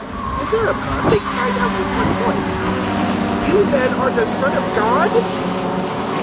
022:070 Thereupon they cried out with one voice, "You, then, are the Son of God?"